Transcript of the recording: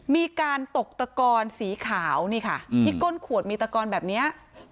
มีการตกตะกอนสีขาวนี่ค่ะที่ก้นขวดมีตะกอนแบบนี้